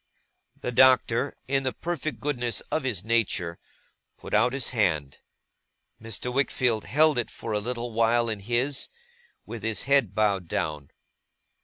The Doctor, in the perfect goodness of his nature, put out his hand. Mr. Wickfield held it for a little while in his, with his head bowed down.